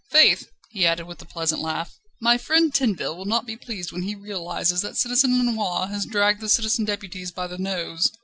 Faith!" he added, with a pleasant laugh, "my friend Tinville will not be pleased when he realises that Citizen Lenoir has dragged the Citizen Deputies by the nose."